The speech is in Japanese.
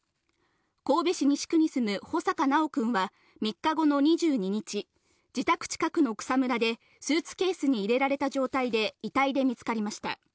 神戸市西区に住む穂坂修くんは３日後の２２日、自宅近くの草むらでスーツケースに入れられた状態で遺体で見つかりました。